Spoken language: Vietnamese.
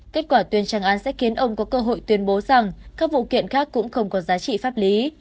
kết quả tuyên trang án sẽ khiến ông có cơ hội tuyên bố rằng các vụ kiện khác cũng không có giá trị pháp lý